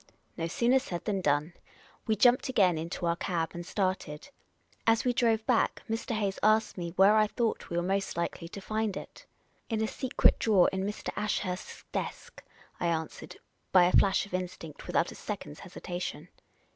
No sooner said than done. We jumped again into our cab and started. As we drove back, Mr. Hayes asked me where I thought we were most likely to find it. " In a secret drawer in Mr. Ashurst's desk," I answered, by a flash of instinct, without a second's hesitation.